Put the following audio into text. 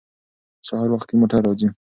سهار وختي موټر راځي.